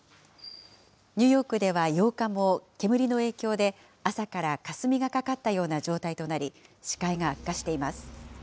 ニューヨークでは８日も煙の影響で、朝からかすみがかかったような状態となり、視界が悪化しています。